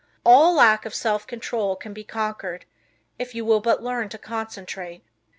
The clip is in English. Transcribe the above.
All lack of self control can be conquered if you will but learn to concentrate.